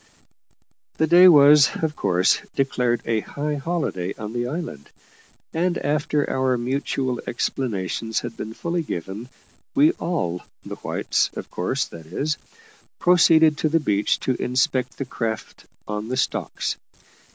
The day was, of course, declared a high holiday on the island; and, after our mutual explanations had been fully given, we all the whites, of course, that is proceeded to the beach to inspect the craft on the stocks.